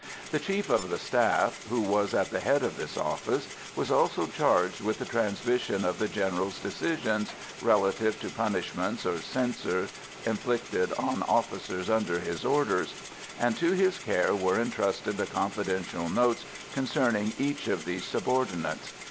The Chief of the Staff, who was at the head of this office, was also charged with the transmission of the General's decisions, relative to punishments or censure inflicted on officers under his orders; and to his care were entrusted the confidential notes concerning each of these subordinates.